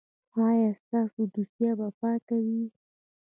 ایا ستاسو دوسیه به پاکه وي؟